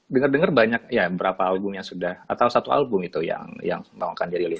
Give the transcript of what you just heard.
denger denger banyak ya berapa albumnya sudah atau satu album itu yang yang akan dirilis